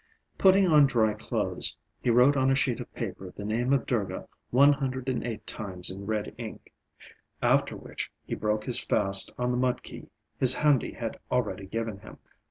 Putting on dry clothes, he wrote on a sheet of paper the name of Durga one hundred and eight times in red ink; after which he broke his fast on the mudki his handi had already given him.